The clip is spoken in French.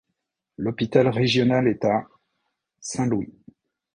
L'hôpital régional est à... Saint-Louis.